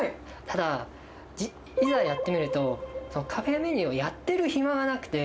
ただ、いざやってみると、カフェメニューをやってる暇がなくて。